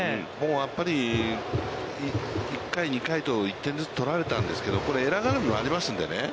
やっぱり１回、２回と１点ずつ取られたんですけれども、これエラー絡みもありますのでね。